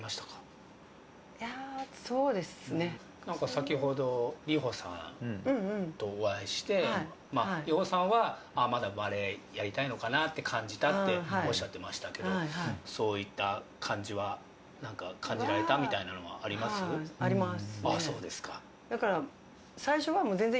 先ほど里歩さんとお会いして里歩さんはまだバレーやりたいのかなって感じたっておっしゃっていましたけどそういった感じはあります？あります。